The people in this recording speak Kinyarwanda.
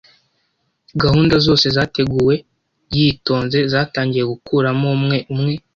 Gahunda zose zateguwe yitonze zatangiye gukuramo umwe umwe.